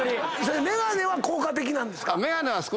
眼鏡は効果的なんですか？